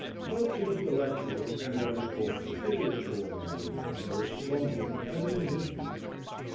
But the intellectual and what is called spiritual man in him were slumbering as in an infant.